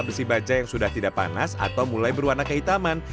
besi baja yang sudah tidak panas atau mulai berwarna kehitaman